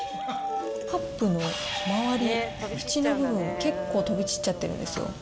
カップの周りの縁の部分、結構飛び散っちゃってるんですよ。